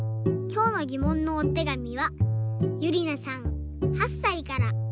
きょうのぎもんのおてがみはゆりなさん８さいから。